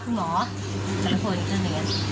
แขนน้องพ่อมือตรงเนี้ย